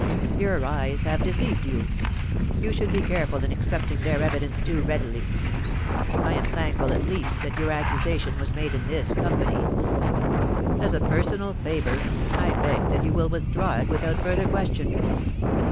Your eyes have deceived you ; you should be careful in acceptii^ their evidence too readily. I am thankful, at least, that your accusation was made in this company. As a personal favour, I beg that you will withdraw it without further ques tion.